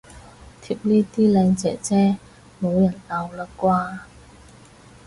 貼呢啲靚姐姐冇人鬧喇啩